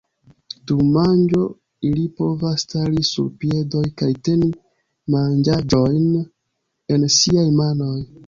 Dum manĝo ili povas stari sur piedoj kaj teni manĝaĵojn en siaj manoj.